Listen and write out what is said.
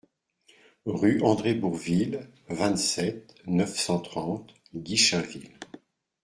Rue André Bourvil, vingt-sept, neuf cent trente Guichainville